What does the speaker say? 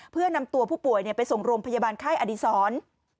เพื่อนำตัวผู้ป่วยไปสงรมพยาบาลไข้อดิสร